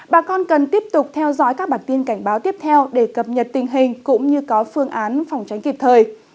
bà con cần tiếp tục theo dõi các bản tin cảnh báo tiếp theo để cập nhật tình hình cũng như có phương án phòng tránh kịp thời